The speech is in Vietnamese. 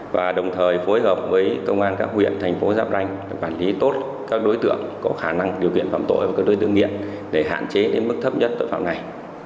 và đồng thời phối hợp với công an các huyện thành phố giáp ranh quản lý tốt các đối tượng có khả năng điều khiển phạm tội và các đối tượng nghiện để hạn chế đến mức thấp nhất tội phạm này